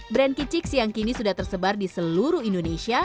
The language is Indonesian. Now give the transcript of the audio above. brand kicik siang kini sudah tersebar di seluruh indonesia